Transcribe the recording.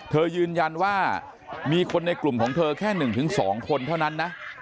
ยืนยันว่ามีคนในกลุ่มของเธอแค่๑๒คนเท่านั้นนะ